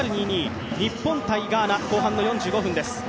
日本×ガーナ、後半の４５分です。